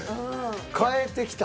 変えてきた。